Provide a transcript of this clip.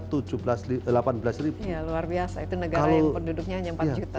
iya luar biasa itu negara yang penduduknya hanya empat juta